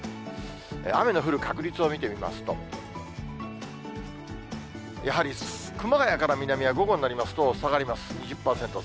雨の降る確率を見てみますと、やはり熊谷から南は、午後になりますと下がります。